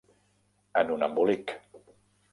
En un embolic